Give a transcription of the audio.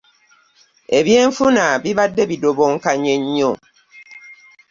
Ebyenfuna bibadde bidobonkanye nnyo.